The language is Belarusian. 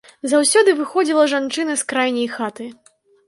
Заўсёды выходзіла жанчына з крайняй хаты.